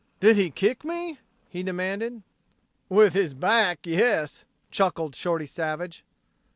"Did he kick me?" he demanded. "With his back, yes," chuckled Shorty Savage.